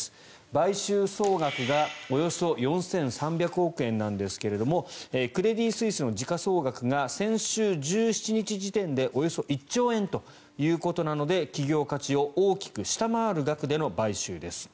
買収総額がおよそ４３００億円なんですがクレディ・スイスの時価総額が先週１７日時点でおよそ１兆円ということなので企業価値を大きく下回る額での買収です。